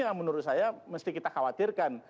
yang menurut saya mesti kita khawatirkan